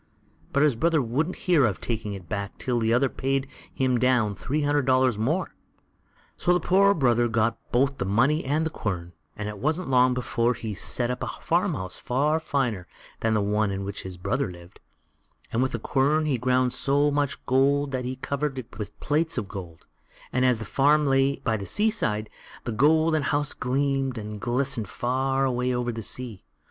But his brother wouldn't hear of taking it back till the other paid him down three hundred dollars more. So the poor brother got both the money and the quern, and it wasn't long before he set up a farmhouse far finer than the one in which his brother lived, and with the quern he ground so much gold that he covered it with plates of gold; and as the farm lay by the sea side, the golden house gleamed and glistened far away over the sea.